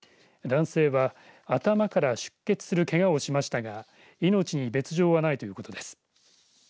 男性は頭から出血するけがをしましたが命に別状はないということです。